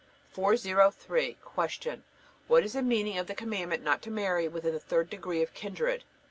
403. Q. What is the meaning of the commandment not to marry within the third degree of kindred?